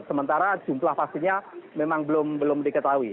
sementara jumlah vaksinnya memang belum diketahui